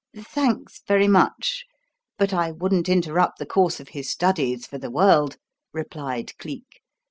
"Thanks very much, but I wouldn't interrupt the course of his studies for the world," replied Cleek.